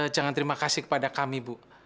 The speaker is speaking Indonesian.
jangan terima kasih kepada kami bu